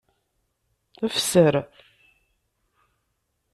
Fser.